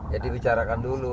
ya dibicarakan dulu